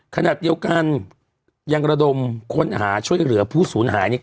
ขนาดเดียวกันยังระดมคนอาหารช่วยเหลือผู้ศูนย์หาย